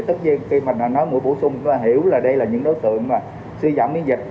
tất nhiên khi mình nói mũi bổ sung chúng ta hiểu là đây là những đối tượng suy giảm miễn dịch